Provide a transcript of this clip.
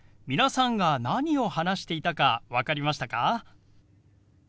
皆さんが何を話していたか分かりましたか？